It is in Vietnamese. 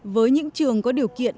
với những trường có điều kiện